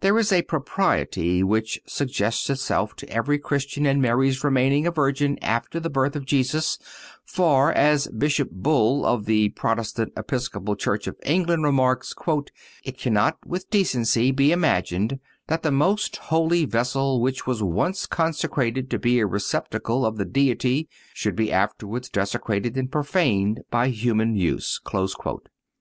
There is a propriety which suggests itself to every Christian in Mary's remaining a Virgin after the birth of Jesus, for, as Bishop Bull of the Protestant Episcopal Church of England remarks, "It cannot with decency be imagined that the most holy vessel which was once consecrated to be a receptacle of the Deity should be afterwards desecrated and profaned by human use."